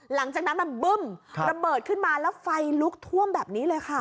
หลังจากนั้นมันบึ้มระเบิดขึ้นมาแล้วไฟลุกท่วมแบบนี้เลยค่ะ